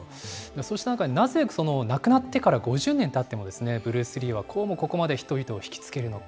そうした中で、なぜ、亡くなってから５０年たっても、ブルース・リーは、こうもここまで人々を引き付けるのか。